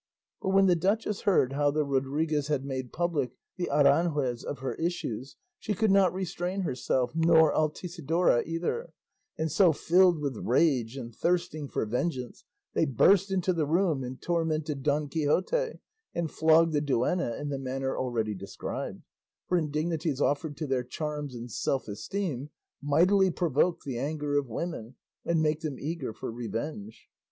But when the duchess heard how the Rodriguez had made public the Aranjuez of her issues she could not restrain herself, nor Altisidora either; and so, filled with rage and thirsting for vengeance, they burst into the room and tormented Don Quixote and flogged the duenna in the manner already described; for indignities offered to their charms and self esteem mightily provoke the anger of women and make them eager for revenge.